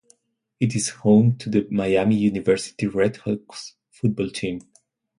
It is home to the Miami University RedHawks football team.